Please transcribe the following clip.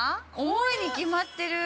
重いに決まってる。